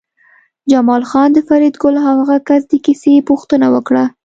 جمال خان د فریدګل او هغه کس د کیسې پوښتنه وکړه